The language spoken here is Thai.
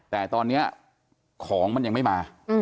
แต่ตอนนี้ของมันยังไม่มา